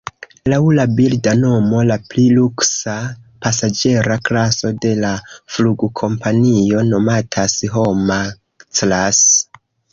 Laŭ la birda nomo, la pli luksa pasaĝera klaso de la flugkompanio nomatas "Homa-Class".